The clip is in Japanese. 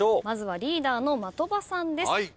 まずはリーダーの的場さんです。